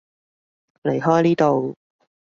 離開呢度